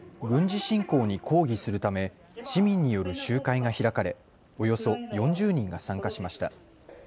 軍事侵攻に抗議するため市民による集会が開かれおよそ４０人が参加しました。